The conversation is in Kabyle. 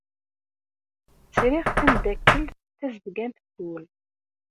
Sriɣ tameddakelt tazedgant n wul.